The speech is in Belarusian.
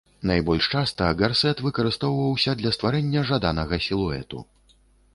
Найбольш часта гарсэт выкарыстоўваўся для стварэння жаданага сілуэту.